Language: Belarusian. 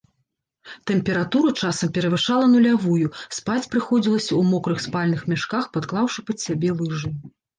Тэмпература часам перавышала нулявую, спаць прыходзілася ў мокрых спальных мяшках, падклаўшы пад сябе лыжы.